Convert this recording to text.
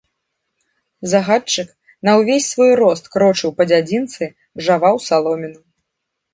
Загадчык на ўвесь свой рост крочыў па дзядзінцы, жаваў саломіну.